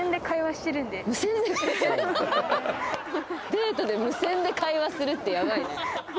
デートで無線で会話するってヤバいね